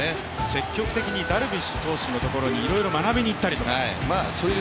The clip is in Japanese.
積極的にダルビッシュ投手のところにいろいろ学びに行ったという。